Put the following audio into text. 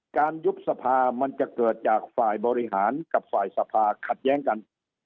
ยุบสภามันจะเกิดจากฝ่ายบริหารกับฝ่ายสภาขัดแย้งกัน